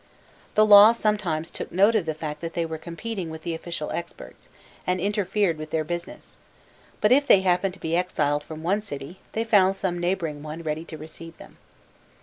The law sometimes took note of the fact that they were competing with the official experts, and interfered with their business: but if they happened to be exiled from one city, they found some neighbouring one ready to receive them.